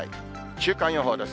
週間予報です。